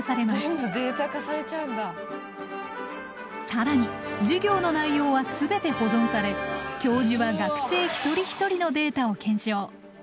更に授業の内容は全て保存され教授は学生一人一人のデータを検証。